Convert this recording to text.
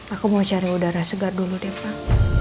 aku mau cari udara segar dulu deh pak